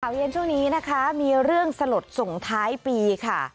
เย็นช่วงนี้นะคะมีเรื่องสลดส่งท้ายปีค่ะ